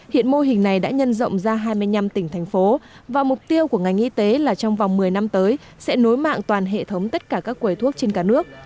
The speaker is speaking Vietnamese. hiện mô hình này đã nhân rộng ra hai mươi năm tỉnh thành phố và mục tiêu của ngành y tế là trong vòng một mươi năm tới sẽ nối mạng toàn hệ thống tất cả các quầy thuốc trên cả nước